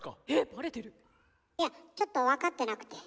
いやちょっと分かってなくて。